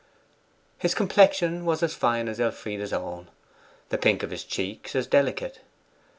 His complexion was as fine as Elfride's own; the pink of his cheeks as delicate.